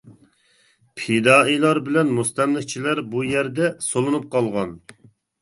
پىدائىيلار بىلەن مۇستەملىكىچىلەر بۇ يەردە سولىنىپ قالغان.